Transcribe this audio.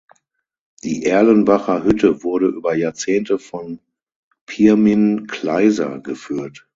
Die Erlenbacher Hütte wurde über Jahrzehnte von Pirmin Kleiser geführt.